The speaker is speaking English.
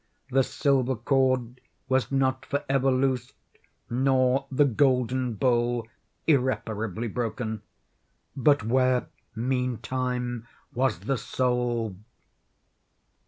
The silver cord was not for ever loosed, nor the golden bowl irreparably broken. But where, meantime, was the soul?